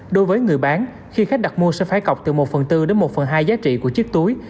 đối với người bán khi khách đặt mua sẽ phải cọc từ một phần tư đến một phần hai giá trị của chiếc túi